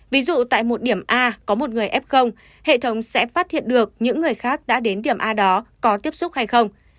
ví dụ tại một điểm a có một người f hệ thống sẽ phát hiện được những người khác đã đến điểm a đó có tiếp xúc hay không